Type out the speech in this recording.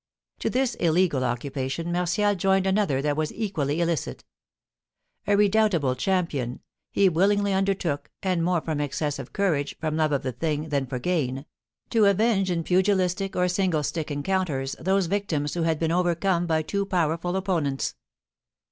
To this illegal occupation Martial joined another that was equally illicit. A redoubtable champion, he willingly undertook and more from excess of courage, from love of the thing, than for gain to avenge in pugilistic or single stick encounters those victims who had been overcome by too powerful opponents.